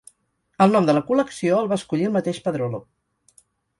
El nom de la col·lecció el va escollir el mateix Pedrolo.